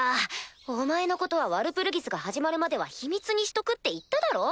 お前のことはワルプルギスが始まるまでは秘密にしとくって言っただろ？